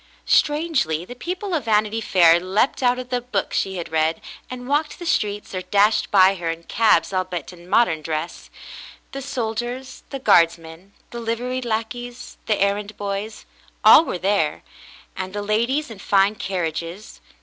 Strangely, the people of Vanity Fair leaped out of the book she had read, and walked the streets or dashed by her in cabs — albeit in modern dress. The soldiers — the guardsmen — the liveried lackeys — the errand boys — all were there, and the ladies in fine carriages.